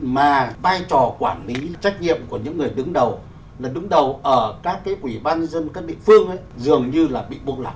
mà vai trò quản lý trách nhiệm của những người đứng đầu là đứng đầu ở các cái ủy ban dân các địa phương dường như là bị buộc lòng